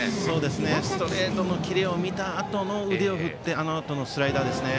ストレートのキレを見たあとの腕を振ってのスライダーですね。